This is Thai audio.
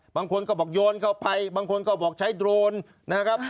บางคนก็บอกโยนเข้าไปบางคนก็บอกใช้โดรนนะครับ